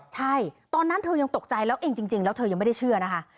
ใช่ตอนนั้นเธอยังตกใจแล้วเองจริงแล้วเธอยังไม่ได้เชื่อนะคะ